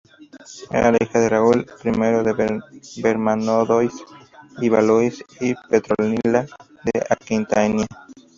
Era la hija de Raúl I de Vermandois y Valois, y Petronila de Aquitania.